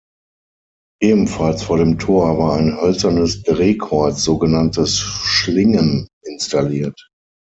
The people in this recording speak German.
Ebenfalls vor dem Tor war ein hölzernes Drehkreuz, sogenanntes "Schlingen", installiert.